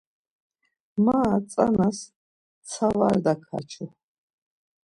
Mara tsanas ntsa va dakaçu.